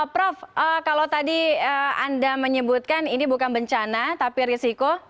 prof kalau tadi anda menyebutkan ini bukan bencana tapi risiko